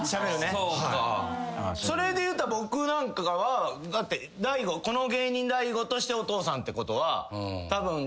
それでいうたら僕なんかはこの芸人大悟としてお父さんってことはたぶん。